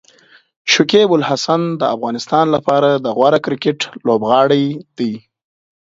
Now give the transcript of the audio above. شکيب الحسن د افغانستان لپاره د غوره کرکټ لوبغاړی دی.